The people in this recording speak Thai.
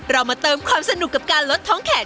เรามาเติมความสนุกกับการลดท้องแขน